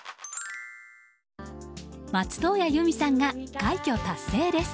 松任谷由実さんが快挙達成です。